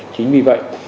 chính vì vậy